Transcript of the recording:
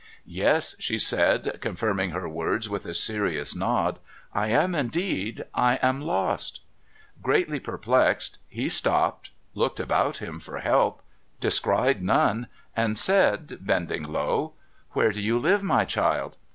' Yes,' she said, confirming her words with a serious nod. ' I am indeed. I am lost !' Greatly perplexed, he stopped, looked about him for help, descried none, and said, bending low :' \Vhere do you live, my child